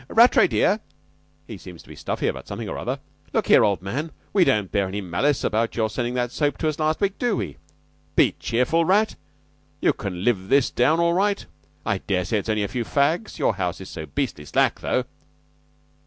"Rattray, dear? He seems stuffy about something or other. Look here, old man, we don't bear any malice about your sending that soap to us last week, do we? Be cheerful, Rat. You can live this down all right. I dare say it's only a few fags. Your house is so beastly slack, though."